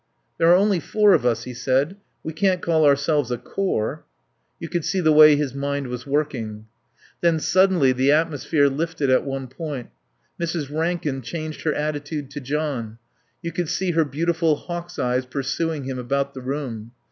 "There are only four of us," he said; "we can't call ourselves a corps." You could see the way his mind was working. Then suddenly the atmosphere lifted at one point. Mrs. Rankin changed her attitude to John. You could see her beautiful hawk's eyes pursuing him about the room.